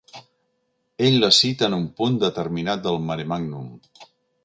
Ell la cita en un punt determinat del Maremàgnum.